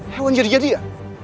hewan jadi jadi ya